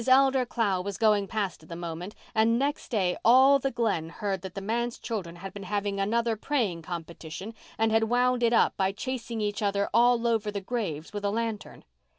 Elder Clow was going past at the moment and next day all the Glen heard that the manse children had been having another praying competition and had wound it up by chasing each other all over the graves with a lantern.